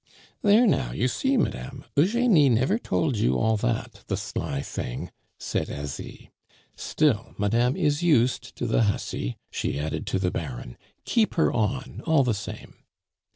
"There, now, you see, madame, Eugenie never told you all that, the sly thing!" said Asie. "Still, madame is used to the hussy," she added to the Baron. "Keep her on, all the same."